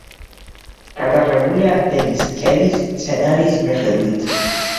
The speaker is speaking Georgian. გადაღებულია დენის კელის სცენარის მიხედვით.